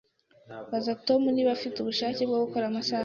Baza Tom niba afite ubushake bwo gukora amasaha make